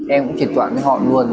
em cũng chuyển toàn với họ luôn